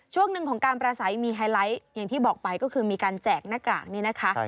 ช่วงหนึ่งของการประสัยมีไฮไลท์อย่างที่บอกไปก็คือมีการแจกหน้ากากนี่นะคะ